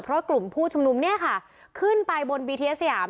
เพราะกลุ่มผู้ชุมนุมเนี่ยค่ะขึ้นไปบนบีทีเอสสยาม